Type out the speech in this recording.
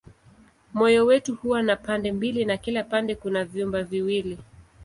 Moyo wetu huwa na pande mbili na kila upande kuna vyumba viwili.